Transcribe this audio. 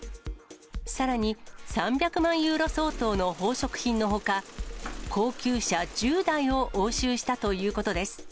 さらに３００万ユーロ相当の宝飾品のほか、高級車１０台を押収したということです。